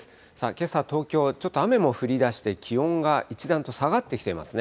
けさ、東京、ちょっと雨も降りだして、気温が一段と下がってきていますね。